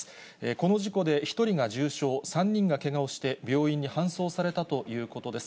この事故で１人が重傷、３人がけがをして、病院に搬送されたということです。